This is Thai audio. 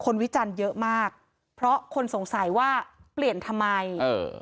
วิจารณ์เยอะมากเพราะคนสงสัยว่าเปลี่ยนทำไมเออ